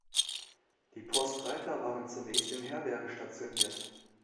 Die Postreiter waren zunächst in Herbergen stationiert.